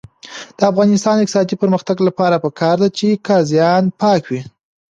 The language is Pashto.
د افغانستان د اقتصادي پرمختګ لپاره پکار ده چې قاضیان پاک وي.